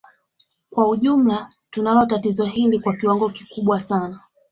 Kwa ujumla tunalo tatizo hili kwa kiwango kikubwa sana